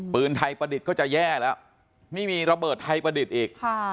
ปืนไทยประดิษฐ์ก็จะแย่แล้วนี่มีระเบิดไทยประดิษฐ์อีก